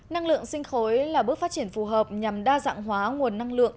năng lượng sinh khối là bước phát triển phù hợp nhằm đa dạng hóa nguồn năng lượng